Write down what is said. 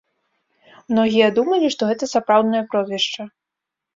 Многія думалі, што гэта сапраўднае прозвішча.